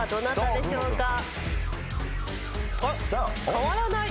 変わらない。